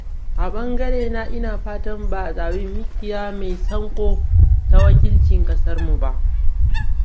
A bangarena ina fatan ba a zabi mikiya mai sanko ta wakilci kasarmu ba.